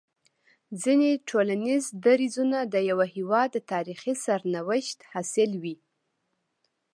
ځيني ټولنيز درځونه د يوه هيواد د تاريخي سرنوشت حاصل وي